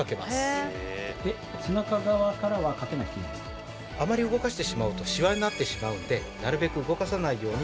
でもあまり動かしてしまうとシワになってしまうのでなるべく動かさないように。